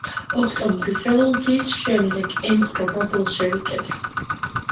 ოქტომბრის რევოლუციის შემდეგ ემხრობა ბოლშევიკებს.